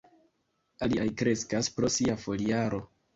Aliaj kreskas pro sia foliaro.